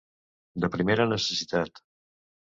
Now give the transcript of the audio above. De primera necessitat.